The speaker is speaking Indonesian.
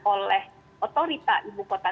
oleh otorita ibu kota